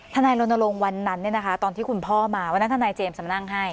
ท่านายลนโรงวันนั้นตอนที่คุณพ่อมาวันนั้นท่านายเจมส์มานั่งให้